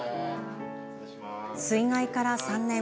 水害から３年。